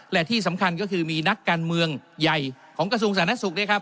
และที่สำคัญก็คือมีนักการเมืองใหญ่ของกระทรวงสาธารณสุขนะครับ